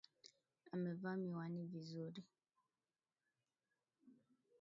Amevaa miwani vizuri.